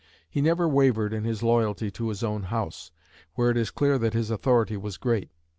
He never wavered in his loyalty to his own House, where it is clear that his authority was great.